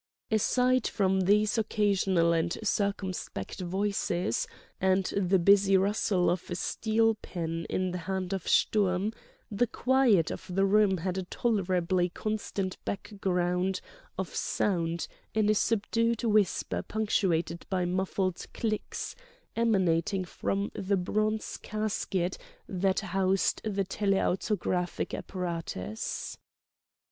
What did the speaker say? Aside from these occasional and circumspect voices, and the busy rustle of a steel pen in the hand of Sturm, the quiet of the room had a tolerably constant background of sound in a subdued whisper punctuated by muffled clicks, emanating from the bronze casket that housed the telautographic apparatus.